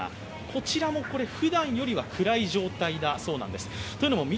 こちらもふだんよりは暗い状態なんだそうです。